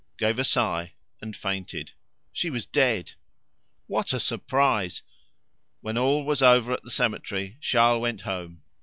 gave a sigh and fainted. She was dead! What a surprise! When all was over at the cemetery Charles went home.